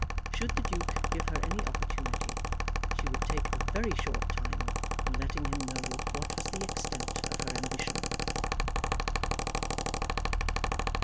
Should the Duke give her any opportunity she would take a very short time in letting him know what was the extent of her ambition.